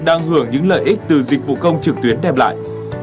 đang hưởng những lợi ích từ dịch vụ công trực tuyến đem lại